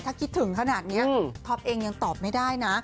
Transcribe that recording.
ถ้าคิดถึงขนาดนี้ท็อปเองยังตอบไม่ได้นะ